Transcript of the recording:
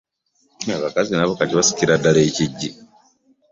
abakazi nabo kati basikira ddala ekiggi.